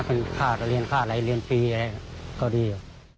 เป็นค่าเรียนค่าอะไรเรียนฟรีอะไรก็ดี